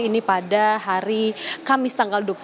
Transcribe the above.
ini pada hari kamis tanggal dua puluh satu